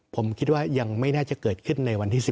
ผมคิดว่ายังไม่น่าจะเกิดขึ้นในวันที่๑